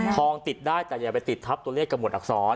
ติดได้แต่อย่าไปติดทับตัวเลขกับหวดอักษร